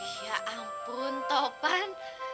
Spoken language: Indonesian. ya ampun topan